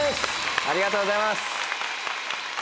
ありがとうございます。